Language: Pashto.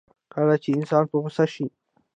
کله چې انسان په غوسه شي.